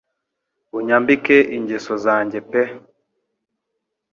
Unyambike ingeso zanjye pe